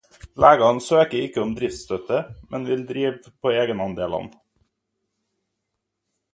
Legene søker ikke om driftsstøtte, men vil drive på egenandelene.